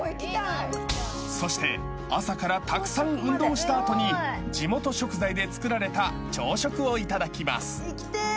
［そして朝からたくさん運動した後に地元食材で作られた朝食を頂きます］